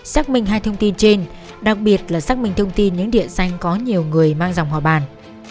xác minh hai thông tin trên đặc biệt là xác minh thông tin những địa danh có nhiều người mang dòng hòa bàn